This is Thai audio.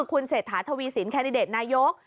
คุณเศรษฐาทวีสินแคนดิเดตนายก